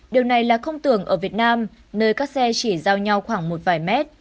điều này là không tưởng ở việt nam nơi các xe chỉ giao nhau khoảng một vài mét